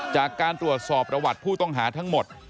จากการตรวจสอบประวัติผู้ต้องหาทั้งหมด